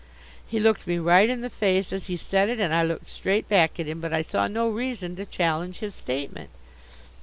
He looked me right in the face as he said it and I looked straight back at him, but I saw no reason to challenge his statement.